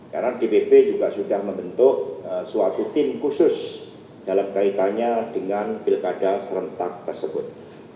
karena dpp juga sudah membentuk suatu tim khusus dalam kaitannya dengan pilkada serentak tersebut